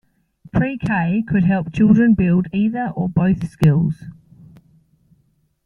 Pre-K could help children build either or both skills.